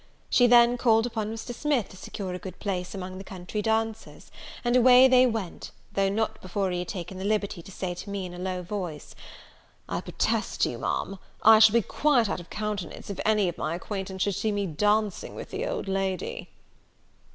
She then called upon Mr. Smith to secure a good place among the country dancers; and away they went, though not before he had taken the liberty to say to me in a low voice, "I protest to you, Ma'am, I shall be quite out of countenance, if any of my acquaintance should see me dancing with the old lady!"